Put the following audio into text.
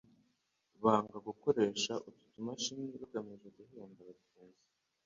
banga gukoresha utu tumashini bagamije guhenda abagenzi.